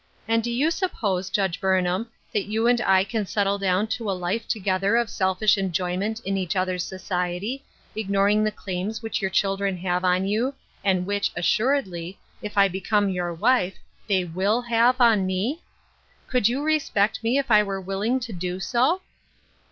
"And do you suppose, Judge Burnham, that you and I can settle down to a life together of selfish enjoyment in each others' society, ignoring the claims which your children have on you, and which, assuredly, if I become your wife, they will have on me ? Could you respect me if I were willing to do so?"